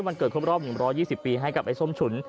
วันเกิดครบรอบ๑๒๐ปีให้กับไอ้ส้มฉุน